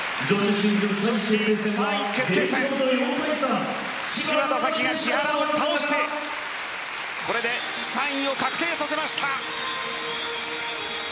女子３位決定戦芝田沙季が木原を倒してこれで３位を確定させました。